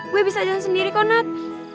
gue bisa jalan sendiri kok nat